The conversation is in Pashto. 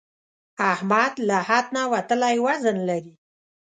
احمد له حد نه وتلی وزن لري.